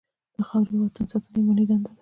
د خاورې او وطن ساتنه ایماني دنده ده.